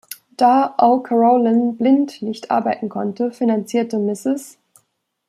Da O’Carolan blind nicht arbeiten konnte, finanzierte Mrs.